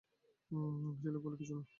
সেই লোক বলল, কিছু না।